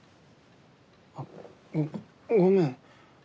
あっごごめん。